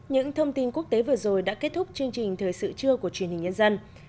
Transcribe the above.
những thông tin quốc tế vừa rồi đã kết thúc chương trình thời sự trưa của truyền hình nhân dân